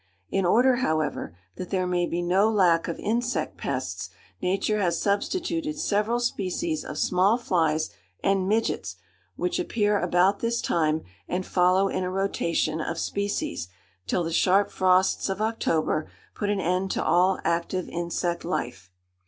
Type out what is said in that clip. In order, however, that there may be no lack of insect pests, nature has substituted several species of small flies and midgets, which appear about this time and follow in a rotation of species, till the sharp frosts of October put an end to all active insect life.